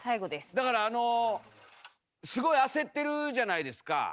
だからあのすごい焦ってるじゃないですか。